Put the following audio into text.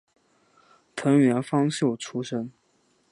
藤原芳秀出身。